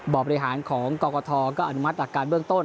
บ่อบริหารของกกทก็อนุมัติอาการเบื้องต้น